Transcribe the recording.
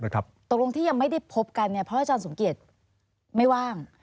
ตกลงที่ยังไม่ได้พบกันเพราะอาจารย์สมเกียจไม่ว่าง